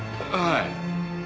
あはい。